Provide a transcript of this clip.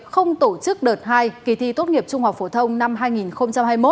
không tổ chức đợt hai kỳ thi tốt nghiệp trung học phổ thông năm hai nghìn hai mươi một